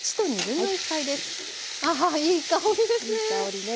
いい香りですね。